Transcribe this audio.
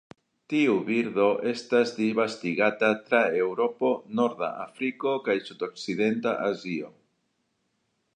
Tiu birdo estas disvastigata tra Eŭropo, norda Afriko kaj sudokcidenta Azio.